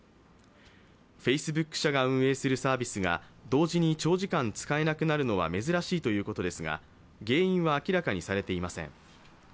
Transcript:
Ｆａｃｅｂｏｏｋ社が運営するサービスが同時に長時間使えなくなるのは珍しいということですが原因は明らかにされていません。